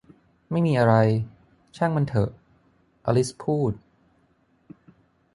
ไม่มีอะไร ช่างมันเถอะ อลิสพูด